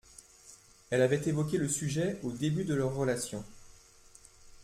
Elle avait évoqué le sujet au début de leur relation